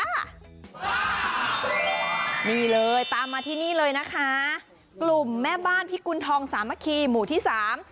นี่เลยตามมาที่นี่เลยนะคะกลุ่มแม่บ้านพิกุณฑองสามัคคีหมู่ที่สาม